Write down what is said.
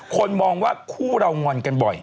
คนมองว่าคู่เรางอนกันบ่อย